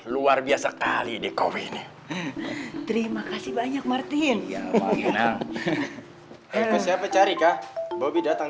luar biasa kali dikawin terima kasih banyak martin ya enak ke siapa cari kah bobby datang